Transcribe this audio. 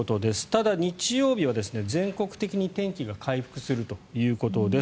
ただ、日曜日は全国的に天気が回復するということです。